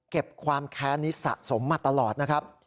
ความแค้นนี้สะสมมาตลอดนะครับ